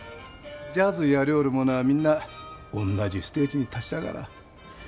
ジャズやりょうる者あみんなおんなじステージに立ちたがらぁ。